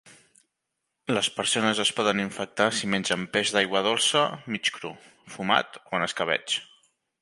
Les persones es poden infectar si mengen peix d'aigua dolça mig cru, fumat o en escabetx.